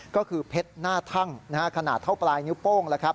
ก็คือเพชรหน้าท่ังขนาดเท่าปลายนิ้วโป้ง